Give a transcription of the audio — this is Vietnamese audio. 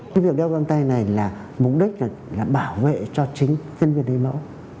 cái việc đeo găng tay này là mục đích là bảo vệ cho chính nhân viên lấy mẫu